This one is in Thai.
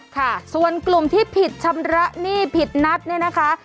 ค่ะส่วนกลุ่มที่ผิดชำระหนี้ผิดนัดเนี่ยนะคะ